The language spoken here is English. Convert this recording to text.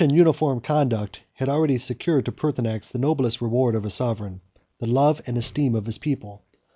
] Such a uniform conduct had already secured to Pertinax the noblest reward of a sovereign, the love and esteem of his people.